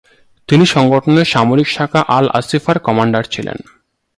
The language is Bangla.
তিনি সংগঠনের সামরিক শাখা আল-আসিফার কমান্ডার ছিলেন।